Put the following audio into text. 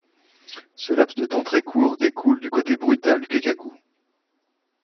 Ce laps de temps très court découle du côté brutal du kaikaku.